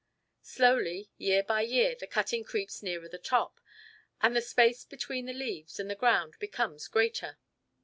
Slowly year by year the cutting creeps nearer the top, and the space between the leaves and the ground becomes greater.